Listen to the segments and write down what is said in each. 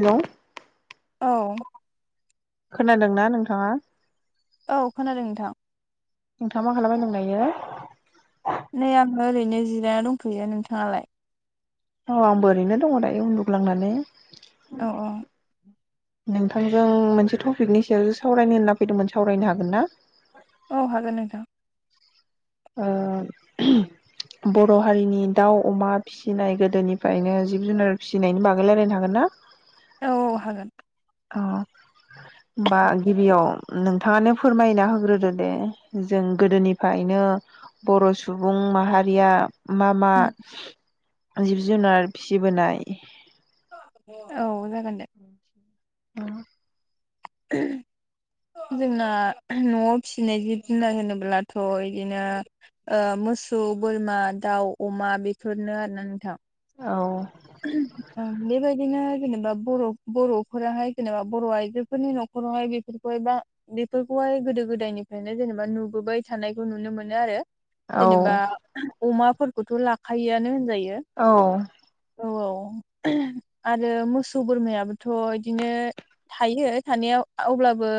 हेल' औ खोनादोंना नोंथाङा? औ खोनादों नोंथां नोंथाङा मा खालामबाय दं दायो नै आङो ओरैनो जिरायना दंफैयो नोंथाङालाय? औ आंबो ओरैनो दङ दायो उन्दुग्लांनानै औ औ नोंथांजों मोनसे टपिकनि सायावसो सावरायनो होनना फैदोंमोन सावरायनो हागोन ना? औ हागोन नोंथां ओ बर' हारिनि दाउ अमा फिसिनाय गोदोनिफ्रायनो जिब जुनार फिसिनायनि बागोललायलायनो हागोनना? औ हागोन अ होमबा गिबियाव नोंथाङानो फोरमायना होग्रोदो दे जों गोदोनिफ्रायनो बर' सुबुं माहारिया मा मा जिब जुनार फिसिबोनाय औ जागोन दे [unintelligible] [inaudible] जोंना न'आव फिसिनाय जिब जुनार होनोब्लाथ' बिदिनो ओ मोसौ बोरमा दाउ अमा बेफोरनो आरोना नोंथां औ बेबायदिनो जेनेबा बर' बर'फोराहाय जेनेबा बर' आइजोफोरनि न'खर न'खरावहाय बेफोरखौहायबा बेफोरखौहाय गोदो गोदायनिफ्रायनो जेनेबा नुबोबाय थानायखौ नुनो मोनो आरो जेनेबा औ अमाफोरखौथ' लाखायोआनो होनजायो औ औ आरो मोसौ बोरमायाबोथ' बिदिनो थायो थानायाव अब्लाबो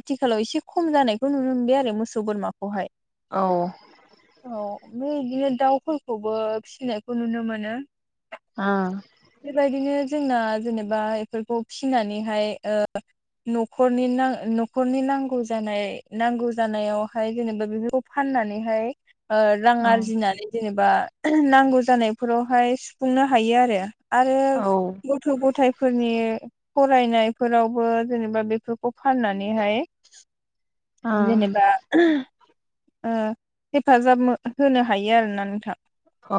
आथिखालाव एसे खम जानायखौ नुनो मोनबाय आरो मोसौ बोरमाखौहाय औ औ ओमफ्राय बिदिनो दाउफोरखौबो फिसिनायखौ नुनो मोनो औ बेबायादि जों जेनेबा बेफोरखौ फिनानैह ओ नखर नखरनि नंगौ जानाय नंगौ जानायावहाय जेनेबा बेफोरखौ फाननानैहाय ओ रां हागोन आरजिनानै जेनेबा नांगौ जानायफोरावहाय सुफुंनो हायो आरो आरो गथ' गथायफोरनि फरायनायफोरावबो जेनेबा बेफोरखौ फाननानैहाय जेनेबा ओ हेफाजाब होनो हायो आरोना नोंथां। औ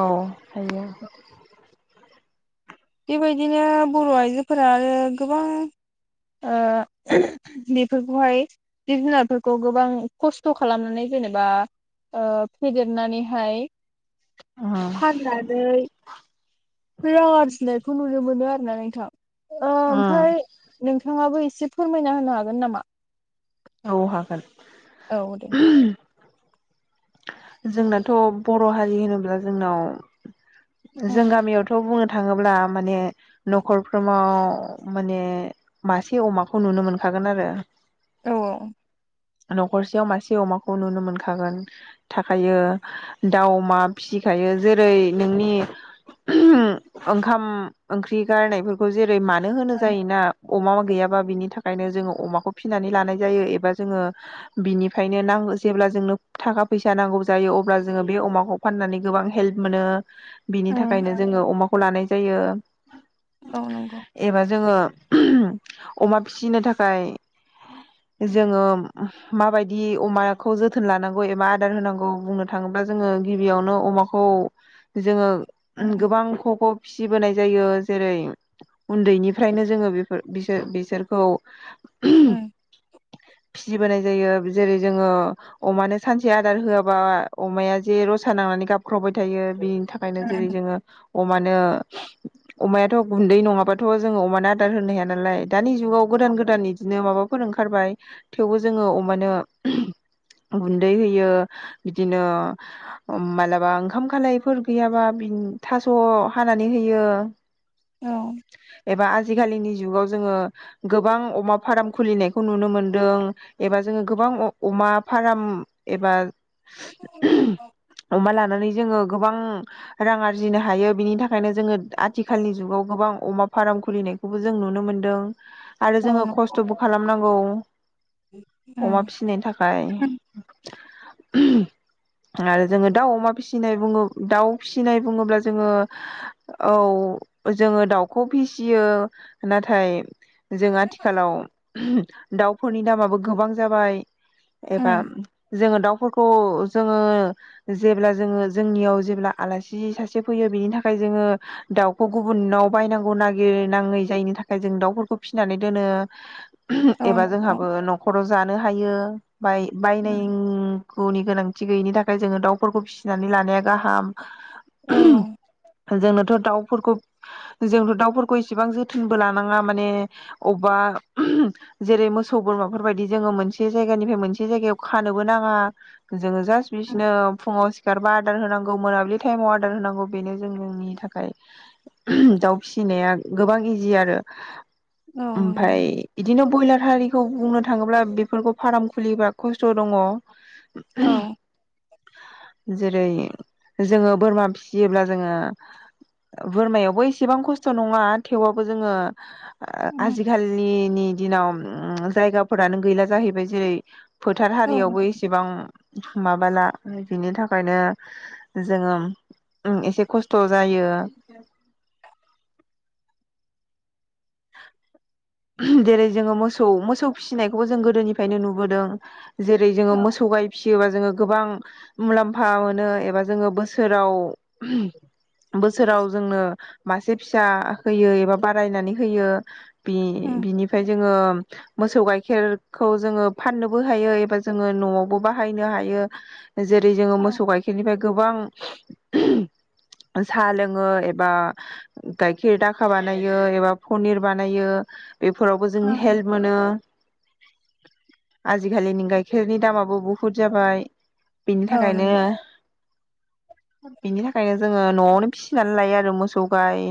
हायो बेबायदिनो बर' आइजोफोरा आरो गोबां ओ बेफोरखौहाय जिब जुनारफोरखौ गोबां खस्थ' खालामनानै जेनेबा ओ फेदेरनानैहाय फाननानै रां आरजिनायखौ नुनो मोनो आरो ना नोंथां ओमफ्राय नोंथाङाबो ए से फोरमायना होनो हागोन नामा? औ हागोन औ दे जोंनाथ' बर' हारि होनोब्ला जोंनाव जों उम गामियावथ' बुनो थाङोब्ला माने न'खरफ्राव माने मासे अमाखौ नुनो मोनखा गोन आरो। औ न'खरसेयाव मासे अमाखौ नुनो मोनखागोन थाखायो दाउ अमा फिसिखायो जेरै नोंनि ओंखाम ओंख्रि गारनायफोरखौ जेरै मानो होनो उम जायोना अमा गैयाबा बिनि थाखायनो जोङो अमाखौ फिनानै लानाय जायो एबा जोङो बिनिफ्रायनो नां जेब्ला जोंनो थाखा फैसा नांगौ जायो अब्ला जोङो बे अमाखौ फाननानै गोबां हेल्प मोनो। बिनि थाखायनो जोङो अमाखौ लानाय जायो औ नंगौ एबा जोङो अमा फिसिनो थाखाय जोङो माबायदि अमाखौ जोथोन लानांगौ एबा आदार होनांगौ बुंनो थाङोब्ला जोङो गिबियावनो अमाखौ जोङो उम गोबां ख ख फिसिबोनाय जायो जेरै उन्दैनिफ्रायनो जोङो बेफोर बिसोर बिसोरखौ फिसिबोनाय जायो जेरै जोङो अमानो सानसे आदार होआबा अमाया जे रसा नांनानै गाबख्रावबाय थायो बिनि थाखायनो जेरै जोङो अमानो अमायाथ' गुन्दै नङाबाथ' जोङो अमानो आदार होनो हाया नालाय दानि जुगाव गोदान गोदान बिदिनो माबा फोर ओंखारबाय थेवबो जोङो अमानो गु न्दै होयो बिदिनो अम मालाबा ओंखाम खालाय‌ गैयाबा बि था स हानानै होयो औ एबा आजिखालिनि जुगाव जोङो गोबां अमा फार्म खुलिनायखौ नुनो मोनदों एबा जोङो गोबां अ अमा फार्म एबा अमा लानानै जोङो गोबां रां आरजिनो हायो बिनि थाखायनो जोङो आथिखालनि जुगाव गोबां अमा फार्म खुलिनाय खौबो जों नुनो मोनदों आरो औ जोङो नंगौ खस्थ'बो खालामनांगौ अमा उम फिनायनि थाखाय। आरो जोङो दाउ अमा फिसिनाय बुङो दाउ फिसिनाय बुङोब्ला जोङो औ जोङो दाउखौ फिसियो नाथाय जों आथिखालाव दाउ फोरनि दामाबो गोबां जाबाय उम एबा जोङो दाउफोरखौ जोङो जेब्ला जोङो जोंनियाव जेब्ला आलासि सासे फैयो बेनि थाखाय जोङो दाउखौ गुबुनाव बायनांगौ नागिरनाङै जायिनि थाखाय जों दाउफोरखौ फिसिनानै दोनो औ एबा नंगौ जोंहाबो न'खरावबो जानो हायो बाय बाय [unintelligible] औ गोनांथि गैयिनि थाखाय जोङो दाउफोरखौ फिसिनानै लानाया गाहाम। औ जोंनोथ' दाउफोरखौ जोंथ' दाउफोरखौ इसेबां जोथोनबो लानाङा माने अबेबा जेरै मोसौ बोरमाफोर बायदि जोङो मोनसे जायगानिफ्राय मोनसे जायगायाव खानोबो नाङा जोङो जास्ट बिदिनो फुङाव सिखारबा आदार होनांगौ मोनाबिलि टाइमाव आर्दार होनांगौ बेनो जोंनि थाखाय। दाउ फिसिनाया गोबां इजि आरो। औ नंगौ ओमफाय इदिनो बयलार हारिखौ बुंनो थाङोब्ला बेफोरखौ फार्म खुलिबा खस्थ' दङ। औ जेरै जोङो बोरमा फिसियोब्ला जोङो बोरमायावबो एसेबां खस्थ' नङा थेवबाबो जोङो आजिखालिनिनि दिनाव जायगाफोरानो गैला जाहैबाय जेरै फोथार औ हारियावबो एसेबां माबाला बिनि थाखायनो जोङो उम एसे खस्थ' जायो। जेरै जोङो मोसौ मोसौ फिसिनायखौबो जों गोदोनिफायनो नुबोदों। जेरै जोङो मोसौ गाय फिसियोबा जोङो गोबां मुलाम्फा मोनो एबा जोङो बोसोराव बोसोराव जोंनो मासे फिसा होयो एबा बारायनानै होयो। बि बिनिफ्राय जोङो मोसौ गाइखेरखौ जोङो फाननोबो हायो एबा जोङो न'आवबो बाहायनो हायो। जेरै जोङो औ मोसौ गाइखेरनिफ्राय गोबां साहा लोङो एबा गायखेर दाखा बानायो एबा पनिर बानायो। बेफोरावबो जोंनि उम हेल्प मोनो। आजिखालिनि गाइखेरनि दामाबो बुहुद जाबाय। बिनि औ थाखायनो नंगौ बिनि थाखायनो जोङो न'आवनो फिसिनानै लायो आरो मोसौ गाय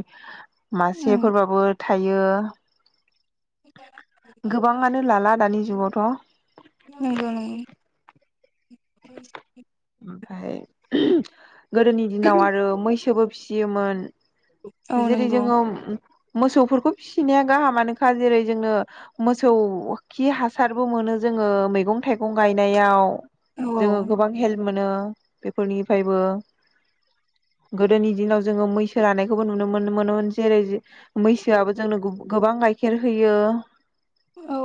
उम मासेफोरबाबो थायो। गोबाङानो लाला दानि जुगावथ'। नोंगौ नोंगौ। ओमफाय गोदोनि दिनाव आरो मैसोबो फिसियोमोन। औ जेरै नंगौ जोङो मोसौफोरखौ फिसिनाया गाहामानोखा जेरै जोंनो मोसौ खि हासारबो मोनो। जोङो मैगं थाइगं गायनायाव औ जोङो गोबां हेल्प मोनो बेफोरनिफ्रायबो गोदोनि दिनाव जोङो मैसो लानाय खौबो नुनो मोनोमोन जेरै मैसोआबो जोंनो गोबां गाइखेर होयो। औ।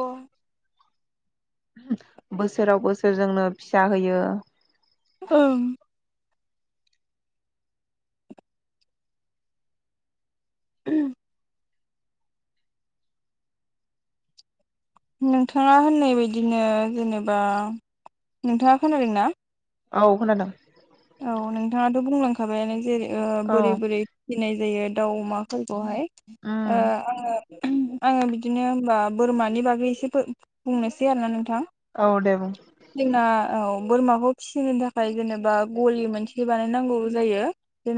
बोसोराव बोसोर जोंनो फिसा होयो। ओं। [inaudible] नोंथाङा होननाय बायदिनो जेनेबा नोंथाङा खोनादों ना? औ खोनादों। औ नोंथाङाथ' बुंलांखाबायानो जेरै ओ औ बोरै बोरै फिनाय जायो। दाउ, अमाफोरखौहाय ओ उम आङो आङो बिदिनो होनबा बोरमानि बागै एसे बुंनोसै आरोना नों थां औ दे बुं जोंना औ बोरमाखौ फिसिनो थाखाय जेनेबा गलि मोनसे बानायनांगौ जायो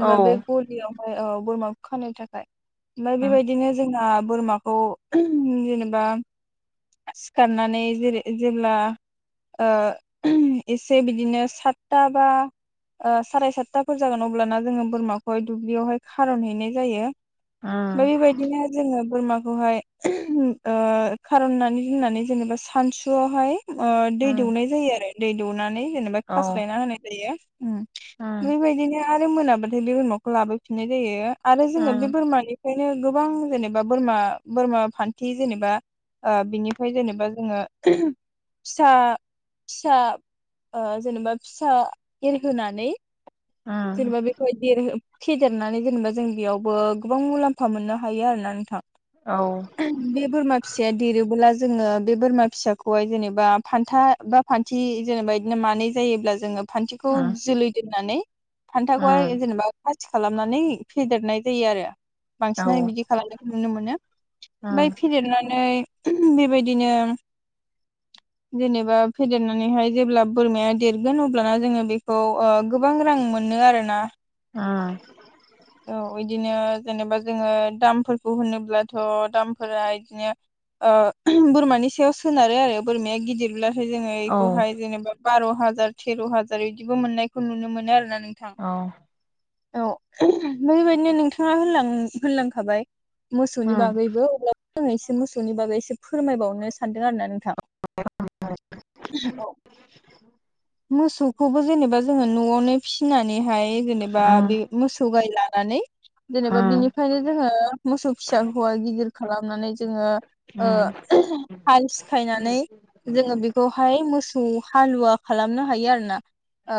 औ बे गलियावहाय ओ बोरमा खानो थाखाय ओमफाय उम बेबायदिनो जोंना बोरमाखौ जेनेबा सिखारनानै जेरै जेब्ला ओ एसे बिदिनो सातता बा ओ साराय सातताफोर जागोन अब्लाना जोङो बोरमाखौहाय दुब्लियावहाय खारनहैनाय जायो। उम बैबायदिनो जोङो बोरमाखौहाय ओ खारननानै दोननानै जेनेबा सानसुआवहाय ओ दै उम दौनाय जायो आरो दै दौनानै जेनेबा औ खास्लायना होनाय जायो। उम बेबायदिनो आरो मोनाबाथाय बे बोरमाखौ लाबोफिननाय जायो आरो जोङो बे उम बोरमानि ओखायनो गोबां जेनेबा बोरमा बोरमा फानथि जेनेबा बिनिफ्राय जेनेबा जोङो फिसा फिसा जेनेबा फिसा एरहोनानै उम जेनेबा बेखौहाय देरहो फेदेरनानै जेनेबा जों बेयावबो गोबां मुलाम्फा मोननो हायो आरो ना नोंथां। औ बे बोरमा फिसाया देरोबोला जोङो बे बोरमा फिसाखौहाय जेनेबा फानथा बा फानथि जेनेबा इदिनो मानै जायोब्ला जोङो फानथिखौ उम जोलै दोननानै उम औ उम फानथाखौहाय जेनेबा फास खासि खालामनानै फेदेरनाय जायो आरो औ उम औ उम औ बांसिनानो बिदि खालामनायखौ नुनो मोनो। ओमफ्राय उम फेदेरनानै बेबायदिनो [inaudible] जेनेबा फेदेरनानैहाय जेब्ला बोरमाया देरगोन अब्लाना जोङो बेखौ ओ गोबां रां मोन मोनो आरो ना ओम औ बिदिनो जेनेबा जोङो दामफोरखौ होनोब्लाथ' दामफोरा बिदिनो ओ बोरमानि सायाव सोनारो आरो बोरमाया गिदिर ब्लाथाय जोङो बेखौहाय जेनेबा बार' हाजार तेर' हाजार इदिबो मोननायखौ नुनो मोनो आरो ना औ औ बेबायदिनो नोंथाङा होनलां होनलांखाबाय मोसौनि उम बागैबो अ आं एसे मोसौनि बागै एसे फोरमायबावनो सानदों आरो ना नोंथां। मोसौ। खौबो जेनेबा जोङो न'आवनो फिसिनानैहाय जेनेबा बे मोसौ गाय लानानै जेनेबा औ बिनिखायनो जोङो मोसौ फिसाखौहाय गिदिर खालामनानै जोङो ओ हाल सिखायनानै जोङो बेखौहाय मोसौ हालुवा खालामनो हायो आरो ना ओ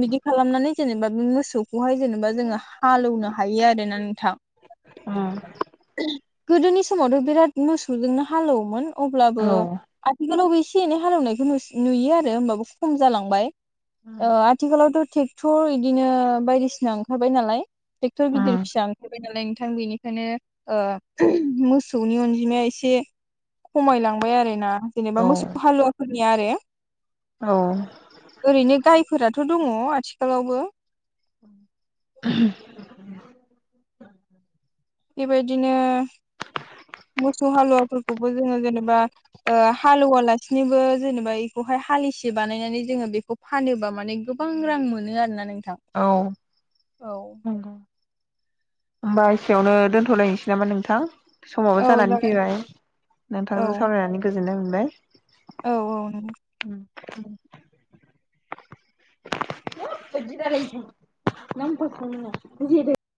बिदि खालामनानै जेनेबा बे मोसौ बेहाय जेनेबा जोङो हाल एवनो हायो आरो ना नोंथां। गोदोनि समावथ' बिराद मोसौजोंनो हालेवोमोन अब्लाबो आथिखालाव बे एसे एनै हालेवनायखौ नुयो आरो होमबाबो खम जालांबाय ओ आथिखालावथ' ट्रेक्टर इदिनो बायदिसिना ओंखारबाय नालाय ट्रेक्टर गिदिर फिसा ओंखारबाय नालाय बेनिखायनो ओ मोसौनि अनजिमाया एसे खमायलांबाय आरो ना। जेनेबा मोसौ हालुवाफोरनिया आरो औ ओरैनो गायफोरा थ' दङ आथिखालावबो। [unintelligible] बेबायदिनो मोसौ हालुवाफोरखौबो जोङो जेनेबा ओ हालुवालासिनोबो जेनेबा बेखौ ओमफ्राय हालिसे बानायनानै जोङो बेखौ फानोबा माने गोबां रां मोनो आरोना नों। औ। होमबा औ एसेयावनो दोनथ'लायनोसै नामा नोंथां। समाबो औ जानानै जागोन फैबाय औ नोंथांजों सावरायनानै गोजोननाय मोनबाय। औ औ नों। उम। [unintelligible]